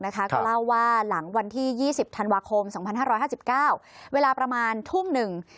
ก็เล่าว่าหลังวันที่๒๐ธันวาคม๒๕๕๙เวลาประมาณทุ่มหนึ่ง